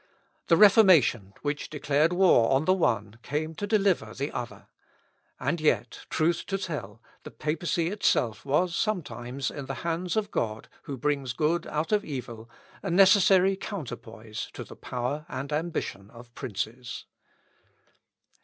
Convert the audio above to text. The Reformation, which declared war on the one came to deliver the other. And yet, truth to tell, the Papacy itself was sometimes, in the hands of God, who brings good out of evil, a necessary counterpoise to the power and ambition of princes.